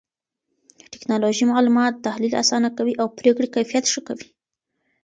ټکنالوژي معلومات تحليل آسانه کوي او پرېکړې کيفيت ښه کوي.